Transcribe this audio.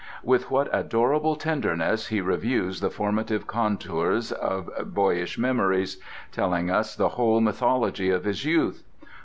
With what adorable tenderness he reviews the formative contours of boyish memories, telling us the whole mythology of his youth!